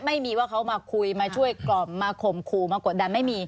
ไม่มีว่าเขามาคุยมาช่วยกล่อมมาขมครูมากดดัน